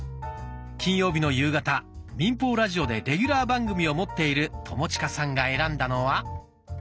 金曜日の夕方民放ラジオでレギュラー番組を持っている友近さんが選んだのは。